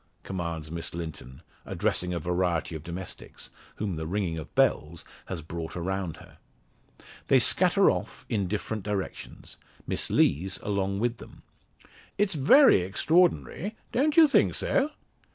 commands Miss Linton, addressing a variety of domestics, whom the ringing of bells has brought around her. They scatter off in different directions, Miss Lees along with them. "It's very extraordinary. Don't you think so?"